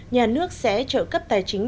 nhà nước sẽ trợ cấp tài chính